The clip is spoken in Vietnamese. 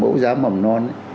mẫu giáo mỏng non